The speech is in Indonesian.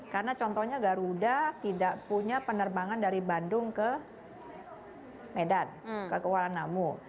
karena contohnya garuda tidak punya penerbangan dari bandung ke medan ke kuala namu